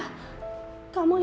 bella kamu dimana bella